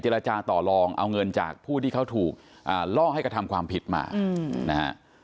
ราจาต่อลองเอาเงินจากผู้ที่เขาถูกล่อให้กระทำความผิดมานะฮะ